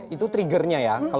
itu triggernya ya